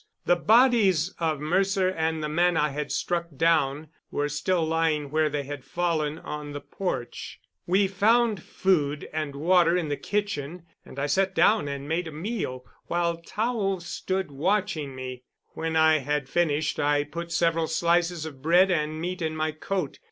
The bodies of Mercer and the man I had struck down were still lying where they had fallen on the porch. We found food and water in the kitchen, and I sat down and made a meal, while Tao stood watching me. When I had finished I put several slices of bread and meat in my coat.